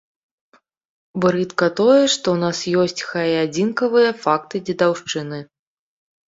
Брыдка тое, што ў нас ёсць, хай і адзінкавыя, факты дзедаўшчыны.